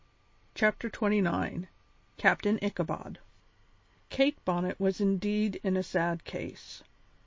CHAPTER XXIX CAPTAIN ICHABOD Kate Bonnet was indeed in a sad case.